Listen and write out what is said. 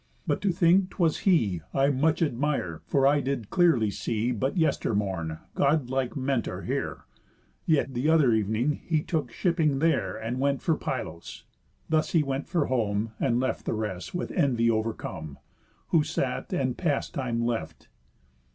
But, to think 'twas he, I much admire, for I did clearly see, But yester morning, God like Mentor here; Yet th' other ev'ning he took shipping there, And went for Pylos." Thus went he for home, And left the rest with envy overcome; Who sat, and pastime left.